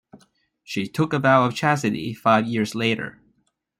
She took a vow of chastity five years later.